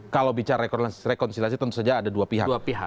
kalau bicara rekonsiliasi tentu saja ada dua pihak